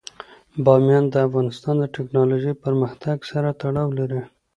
بامیان د افغانستان د تکنالوژۍ پرمختګ سره تړاو لري.